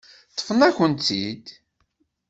Ṭṭfen-akent-tt-id.